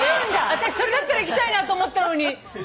私それだったら行きたいと思った。